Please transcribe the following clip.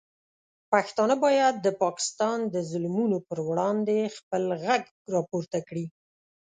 پښتانه باید د پاکستان د ظلمونو پر وړاندې خپل غږ راپورته کړي.